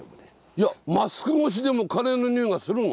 いやマスク越しでもカレーのにおいがするもん。